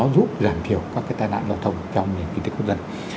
giúp giảm thiểu các tai nạn giao thông trong nền kinh tế quốc dân